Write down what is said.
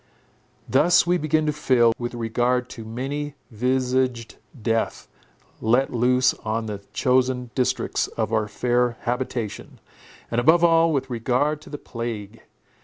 Thus we began to feel, with regard to many visaged death let loose on the chosen districts of our fair habitation, and above all, with regard to the plague.